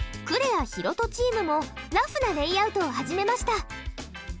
クレア・大翔チームもラフなレイアウトを始めました。